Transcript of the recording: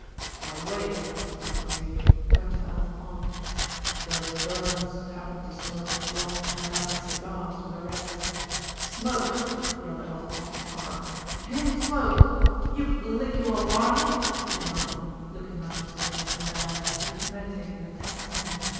"By the way," said Malcolm Sage, turning to Alf Pond, "does Burns happen to smoke long Havana cigars with a red " "Smoke!" yelled Alf Pond in horror. "Him smoke! You blinkin' well barmy?" he demanded, looking Malcolm Sage up and down as if meditating an attack upon him.